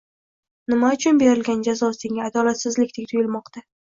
Nima uchun berilgan jazo senga adolatsizlikdek tuyulmoqda?